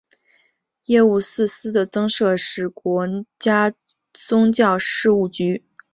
业务四司的增设使国家宗教事务局的业务第一次拓展到五大宗教以外。